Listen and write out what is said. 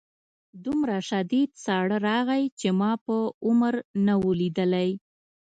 دومره شدید ساړه راغی چې ما په عمر نه و لیدلی